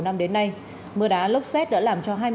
năm đến nay mưa đá lốc xét đã làm cho